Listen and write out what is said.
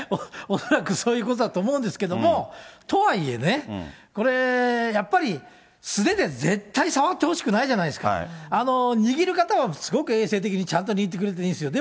恐らくそういうことだと思うんですけど、とはいえね、これ、やっぱり、素手で絶対触ってほしくないじゃないですか。握る方はすごく衛生的にちゃんと握ってくれてるんですよ。